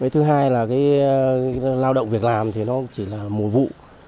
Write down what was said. thứ hai là cái lao động việc làm thì nó chỉ là một vụ